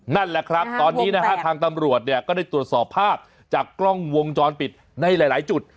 นั่นแหละครับตอนนี้นะฮะทางตำรวจเนี่ยก็ได้ตรวจสอบภาพจากกล้องวงจรปิดในหลายจุด